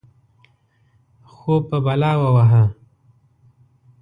خوب په بلا ووهه.